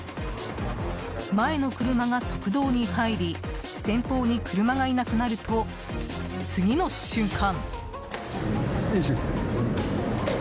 前の車が側道に入り前方に車がいなくなると次の瞬間。